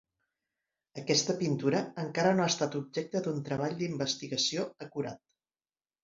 Aquesta pintura encara no ha estat objecte d'un treball d'investigació acurat.